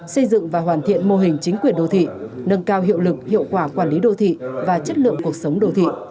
xây dựng và hoàn thiện mô hình chính quyền đô thị nâng cao hiệu lực hiệu quả quản lý đô thị và chất lượng cuộc sống đô thị